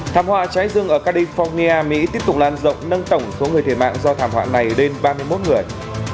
thảm họa trái rừng ở california mỹ tiếp tục lan rộng nâng tổng số người thể mạng do thảm họa này đến ba mươi một người